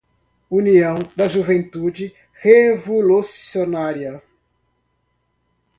União da juventude revolucionária